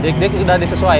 dik dik udah disesuaikan